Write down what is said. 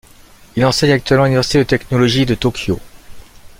Il enseigne actuellement à l'Université de Technologie de Tokyo.